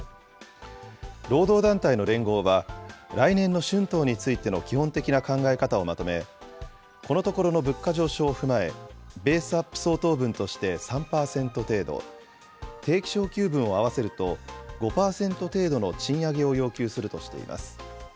労働団体の連合は、来年の春闘についての基本的な考え方をまとめ、このところの物価上昇を踏まえ、ベースアップ相当分として３％程度、定期昇給分を合わせると５％程度の賃上げを要求するとしています。